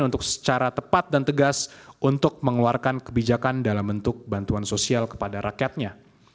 untuk secara tepat dan tegas untuk mengeluarkan kebijakan dalam bentuk bantuan sosial kepada rakyatnya